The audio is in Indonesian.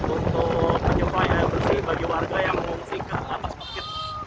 untuk mencoba air bersih bagi warga yang mau singkat lapas kaki